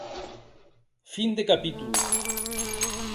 Fin de capitol.